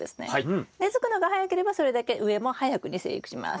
根づくのが早ければそれだけ上も早くに生育します。